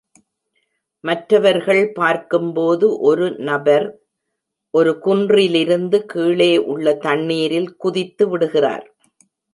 மற்றவர்கள் பார்க்கும்போது ஒரு நபர் ஒரு குன்றிலிருந்து கீழே உள்ள தண்ணீரில் குதித்து விடுகிறார்.